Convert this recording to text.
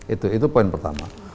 itu poin pertama